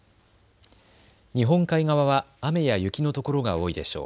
日本海側は雨や雪のところが多いでしょう。